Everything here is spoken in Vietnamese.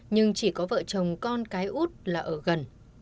nhưng chỉ có vợ chồng con cái út là ở gần